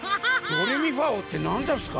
ドレミファおうってなんざんすか？